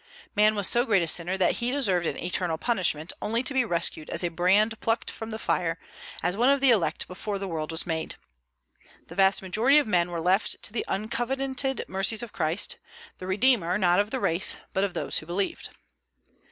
Man was so great a sinner that he deserved an eternal punishment, only to be rescued as a brand plucked from the fire, as one of the elect before the world was made. The vast majority of men were left to the uncovenanted mercies of Christ, the redeemer, not of the race, but of those who believed.